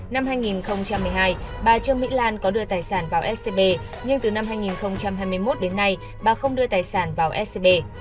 năm hai nghìn một mươi hai bà trương mỹ lan có đưa tài sản vào scb nhưng từ năm hai nghìn hai mươi một đến nay bà không đưa tài sản vào scb